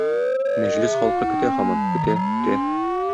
Мәҗлес халкы көтә һаман, көтә, көтә.